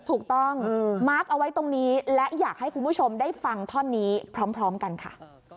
ถูกต้องมาร์คเอาไว้ตรงนี้และอยากให้คุณผู้ชมได้ฟังท่อนนี้พร้อมกันค่ะ